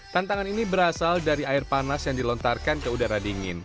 tantangan ini berasal dari air panas yang dilontarkan ke udara dingin